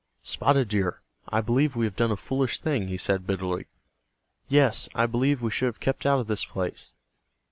"Spotted Deer, I believe we have done a foolish thing," he said, bitterly. "Yes, I believe we should have kept out of this place."